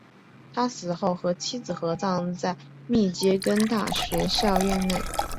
他死后和妻儿合葬在密歇根大学校园内。